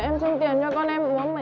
em xin tiền cho con em ốm ở nhà